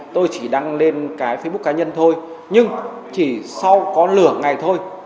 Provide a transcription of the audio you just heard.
tôi chỉ đăng lên cái facebook cá nhân thôi nhưng chỉ sau có lửa ngày thôi